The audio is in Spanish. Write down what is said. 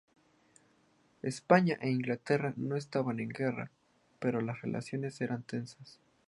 España e Inglaterra no estaban en guerra, pero las relaciones eran tensas.